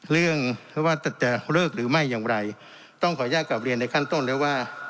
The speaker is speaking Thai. เรื่องไม่ว่าจะเลิกหรือไม่อย่างไรต้องขออนุญาตกลับเรียนในขั้นต้นแล้วว่า